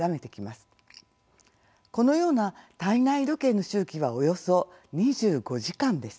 このような体内時計の周期はおよそ２５時間です。